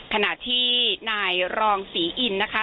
ขณะที่นายรองศรีอินนะคะ